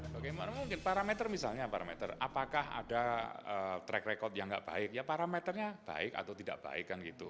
bagaimana mungkin parameter misalnya parameter apakah ada track record yang nggak baik ya parameternya baik atau tidak baik kan gitu